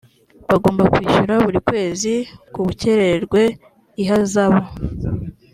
bagomba kwishyura buri kwezi k ubukererwe ihazabu.